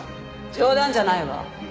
冗談じゃないわ。